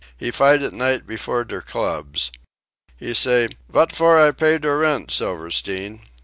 He fight at night before der clubs. He say, 'Vat for I pay der rent, Silverstein?'